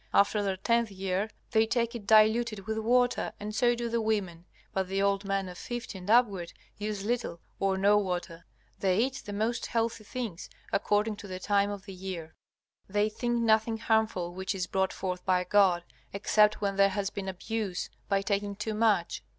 After their tenth year they take it diluted with water, and so do the women, but the old men of fifty and upward use little or no water. They eat the most healthy things, according to the time of the year. They think nothing harmful which is brought forth by God, except when there has been abuse by taking too much.